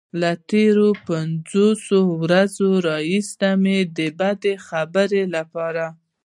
له تېرو پنځلسو ورځو راهيسې مې د بد خبر لپاره.